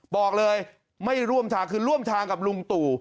บอกเลยไม่ร่วมทางคือร่วมทางกับลุงตู่